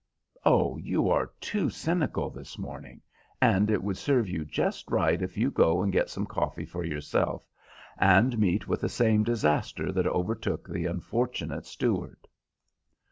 "Oh, you are too cynical this morning, and it would serve you just right if you go and get some coffee for yourself, and meet with the same disaster that overtook the unfortunate steward.